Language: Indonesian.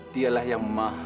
dialah yang maha mengetahui